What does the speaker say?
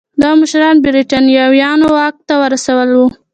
دا مشران برېټانویانو واک ته ورسول وو.